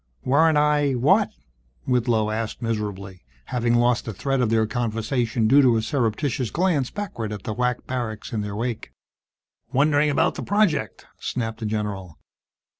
"Weren't I what?" Whitlow asked miserably, having lost the thread of their conversation due to a surreptitious glance backward at the WAC barracks in their wake. "Wondering about the project!" snapped the general.